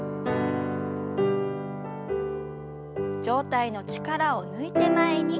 上体の力を抜いて前に。